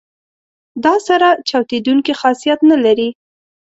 دا سره چاودیدونکي خاصیت نه لري.